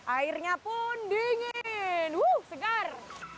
airnya pun dingin segar